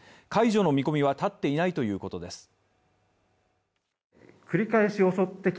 解除の見込みは立っていないということです。